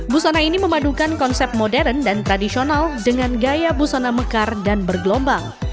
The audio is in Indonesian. busana ini memadukan konsep modern dan tradisional dengan gaya busana mekar dan bergelombang